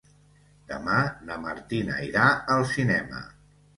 Demà na Martina irà al cinema.